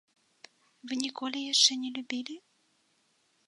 Вы ніколі яшчэ не любілі?